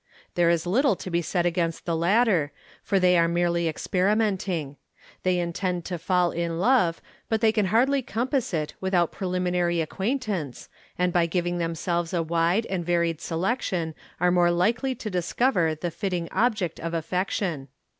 There is little to be said against the latter, for they are merely experimenting. They intend to fall in love, but they can hardly compass it without preliminary acquaintance, and by giving themselves a wide and varied selection, are more likely to discover the fitting object of affection.